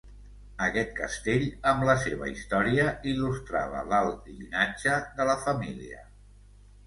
Aquest castell, amb la seva història, il·lustrava l'alt llinatge de la família.